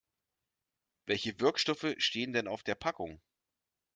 Welche Wirkstoffe stehen denn auf der Packung?